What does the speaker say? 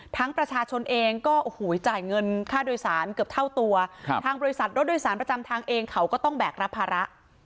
ประชาชนเองก็โอ้โหจ่ายเงินค่าโดยสารเกือบเท่าตัวทางบริษัทรถโดยสารประจำทางเองเขาก็ต้องแบกรับภาระ